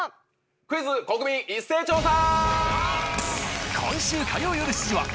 『クイズ！国民一斉調査』。